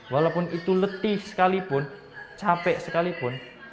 walaupun itu letih sekalipun capek sekalipun